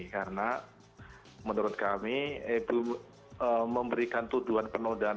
karena menurut kami ibu memberikan tuduhan penodaan